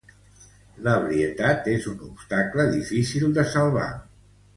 L'ebrietat és un obstacle difícil de salvar.